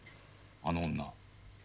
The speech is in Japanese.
あの女。